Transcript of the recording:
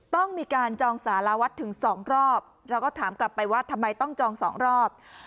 ต้องมีการจองสารวัตรถึง๒รอบเราก็ถามกลับไปว่าทำไมต้องจองสองรอบ